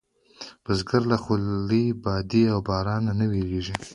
بزګر له خولې، بادې او بارانه نه وېرېږي نه